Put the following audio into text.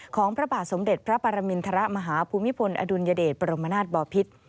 ของพระบาทสมเด็จพระปรามิณฐระมหาภูมิพลอดุลยเดชปรมาณาทบอพิษ